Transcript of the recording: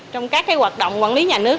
trong các hoạt động quản lý nhà nước